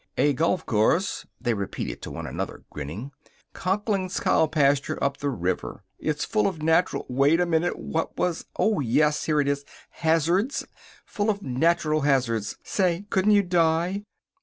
"A golf course," they repeated to one another, grinning. "Conklin's cow pasture, up the river. It's full of natural wait a minute what was? oh, yeh, here it is hazards. Full of natural hazards. Say, couldn't you die!"